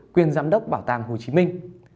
quyên giám đốc bảo tàng hồ chí minh